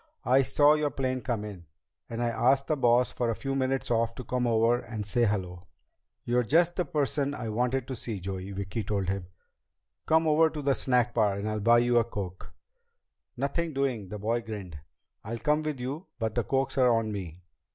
"I saw your plane come in, and I asked the boss for a few minutes off to come over and say hello." "You're just the person I wanted to see, Joey," Vicki told him. "Come over to the snack bar and I'll buy you a coke." "Nothing doing!" The boy grinned. "I'll come with you, but the cokes are on me."